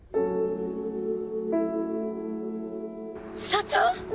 社長！？